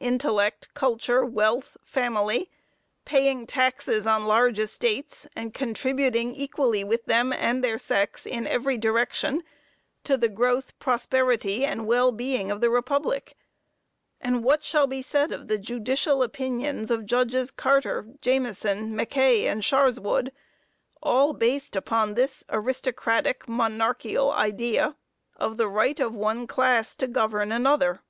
intellect, culture, wealth, family paying taxes on large estates, and contributing equally with them and their sex, in every direction, to the growth, prosperity and well being of the republic? And what shall be said of the judicial opinions of Judges Carter, Jameson, McKay and Sharswood, all based upon this aristocratic, monarchial idea, of the right of one class to govern another?